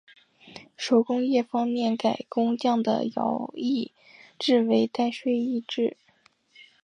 手工业方面改工匠的徭役制为代税役制。